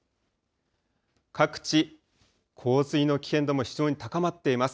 各地、洪水の危険度も非常に高まっています。